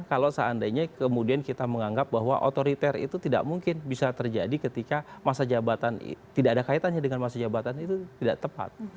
kalau seandainya kemudian kita menganggap bahwa otoriter itu tidak mungkin bisa terjadi ketika masa jabatan tidak ada kaitannya dengan masa jabatan itu tidak tepat